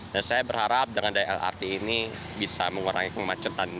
dan saya berharap dengan daya lrt ini bisa mengurangi kemacetan